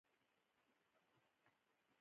آیا د پلار رضا د خدای رضا نه ده؟